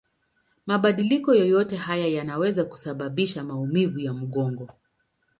Mabadiliko yoyote haya yanaweza kusababisha maumivu ya mgongo.